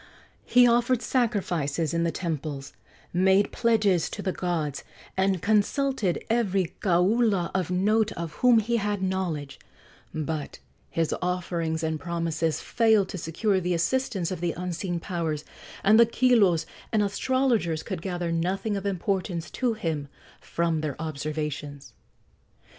He offered sacrifices in the temples, made pledges to the gods, and consulted every kaula of note of whom he had knowledge; but his offerings and promises failed to secure the assistance of the unseen powers, and the kilos and astrologers could gather nothing of importance to him from their observations.